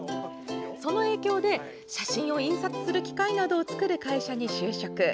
その影響で、写真を印刷する機械などを作る会社に就職。